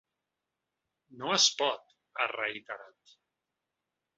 No es pot, ha reiterat.